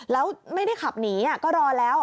แล้วไม่ได้ขับหนีก็รอแล้ว